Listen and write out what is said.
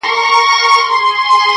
خلګ وایې د قاضي صاب مهماني ده,